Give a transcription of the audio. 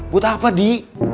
buat apa di